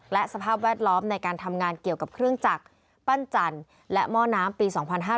และสภาพแวดล้อมในการทำงานเกี่ยวกับเครื่องจักรปั้นจันทร์และหม้อน้ำปี๒๕๕๙